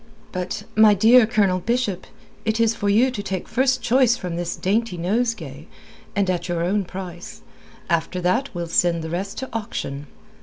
"But, my dear Colonel Bishop, it is for you to take first choice from this dainty nosegay, and at your own price. After that we'll send the rest to auction."